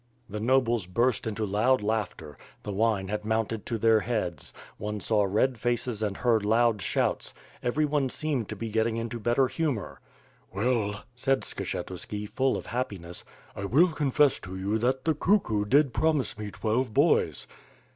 The nobles burst into loud laughter; the wine had mounted to their heads; one saw red faces and heard loud shouts. Everyone seemed to be getting into better humor. "Well/' said Skshetuski full of happiness, "I will confess to you that the cuckoo did promise me twelve boys."